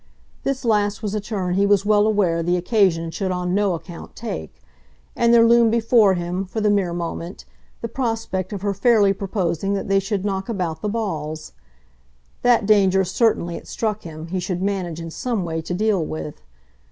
This last was a turn he was well aware the occasion should on no account take; and there loomed before him for the mere moment the prospect of her fairly proposing that they should knock about the balls. That danger certainly, it struck him, he should manage in some way to deal with.